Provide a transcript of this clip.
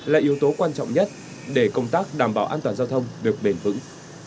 là yếu tố quan trọng nhất để công tác đảm bảo an toàn giao thông được bền vững